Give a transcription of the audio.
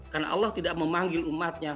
karena allah tidak memanggil umatnya